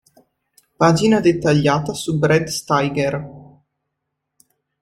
Pagina dettagliata su Brad Steiger